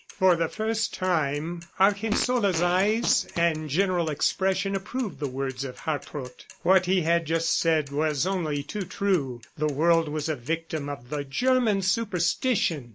For the first time, Argensola's eyes and general expression approved the words of Hartrott. What he had just said was only too true the world was a victim of "the German superstition."